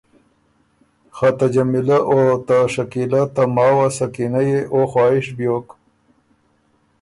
خه ته جمیلۀ او ته شکیلۀ ته ماوه سکینۀ يې او خواهش بیوک